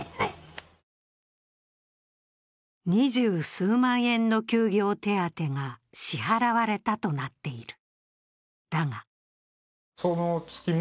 ２０数万円の休業手当が支払われたとなっている。